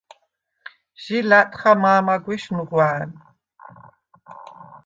ჟი ლა̈ტხა მა̄მაგვეშ ნუღვა̄̈ნ.